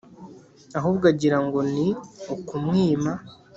Ahubwo agira ngo ni ukumwima